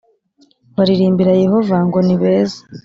baririmbira Yehova ngo nibeza